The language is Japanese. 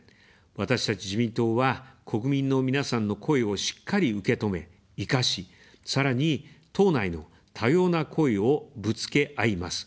私たち自民党は、国民の皆さんの声をしっかり受け止め、活かし、さらに、党内の多様な声をぶつけ合います。